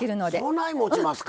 そないもちますか。